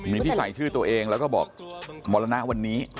มีที่ใส่ชื่อตัวเองแล้วก็บอกมรณะวันนี้